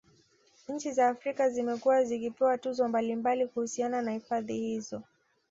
Nchi za Afrika Zimekuwa zikipewa tuzo mbalimbali kuhusiana na hifadhi hizo